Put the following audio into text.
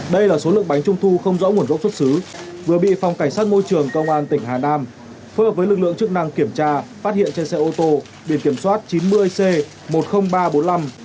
để ngăn chặn và làm rõ các cơ sở sản xuất kinh doanh vi phạm vệ sinh an toàn thực phẩm phòng cảnh sát môi trường công an tỉnh hà nam đã phối hợp với lực lượng chức năng tăng cường kiểm tra và xử lý nghiêm các trường hợp vi phạm